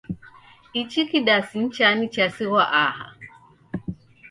Ichi kidasi ni chani chasighwa aha?